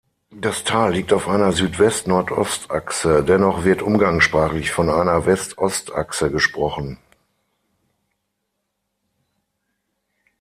Das Tal liegt auf einer Südwest-Nordost-Achse, dennoch wird umgangssprachlich von einer West-Ost-Achse gesprochen.